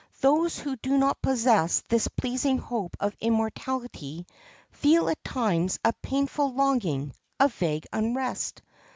Those who do not possess this pleasing hope of immortality feel at times a painful longing, a vague unrest.